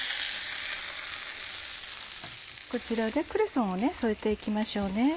こちらでクレソンを添えて行きましょうね。